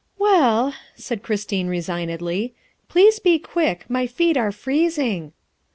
" Well," said Christine resignedly, " please be quick. My feet are freezing."